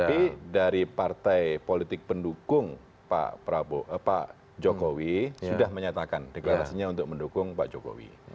tetapi dari partai politik pendukung pak jokowi sudah menyatakan deklarasinya untuk mendukung pak jokowi